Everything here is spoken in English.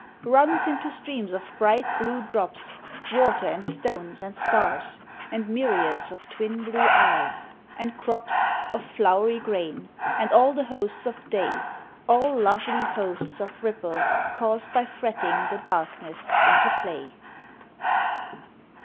Runs into streams of bright blue drops, Water and stones and stars, and myriads Of twin blue eyes, and crops Of floury grain, and all the hosts of day, All lovely hosts of ripples caused by fretting The Darkness into play.